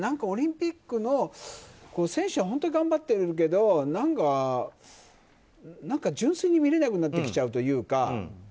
オリンピックの、選手は本当に頑張ってるけど、純粋に見れなくなってきちゃうというか。